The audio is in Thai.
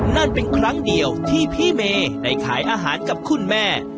นั่นเป็นครั้งเดียวที่พี่เมย์ได้ขายอาหารกับคุณแม่